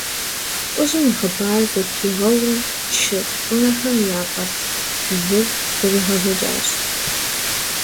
ЛӀыжьым и хъыбарыр зэпигъэури, чы цӀынэхэм яфӀэлъ лыр зэригъэдзэкӀащ.